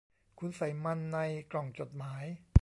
คุณใส่มันในกล่องจดหมาย